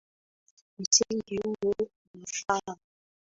Msingi huo unafaa.